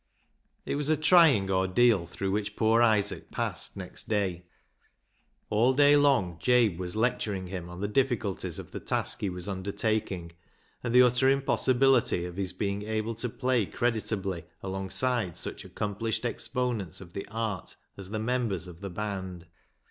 It was a trying ordeal through which poor Isaac passed next day. All day long Jabe was lecturing him on the difficulties of the task he was undertaking, and the utter impossibility of his being able to play creditably alongside such accomplished exponents of the art as the mem bers of the band.